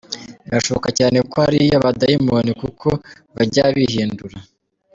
Birashoboka cyane ko ari abadayimoni kuko bajya bihindura.